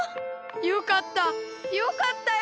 よかったよかったよ。